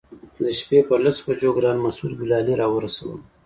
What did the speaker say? د شپې پر لسو بجو ګران مسعود ګلالي راورسولم.